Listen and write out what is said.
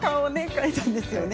描いたんですよね。